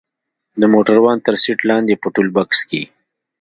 د موټروان تر سيټ لاندې په ټولبکس کښې.